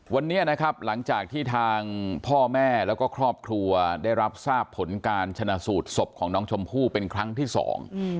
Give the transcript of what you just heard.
วันนี้นะครับหลังจากที่ทางพ่อแม่แล้วก็ครอบครัวได้รับทราบผลการชนะสูตรศพของน้องชมพู่เป็นครั้งที่สอง